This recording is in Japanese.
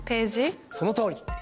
そのとおり。